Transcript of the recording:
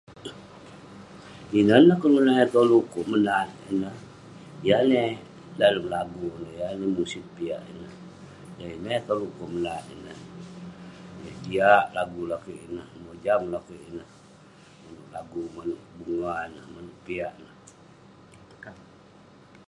Inen neh kelunan eh koluk tan kik ineh, yah neh dalem lagu, yan neh musit piak ineh. Yah ineh koluk kik nat ineh, yah jiak lagu lakeik ineh. Lagu manouk bunga neh, manouk piak neh.